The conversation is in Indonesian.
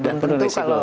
dan penuh dengan resiko